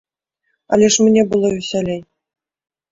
Але ж мне было весялей.